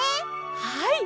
はい。